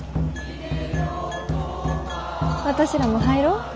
私らも入ろう。